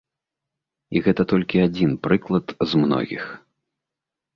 І гэта толькі адзін прыклад з многіх.